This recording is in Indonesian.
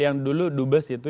yang dulu dubes itu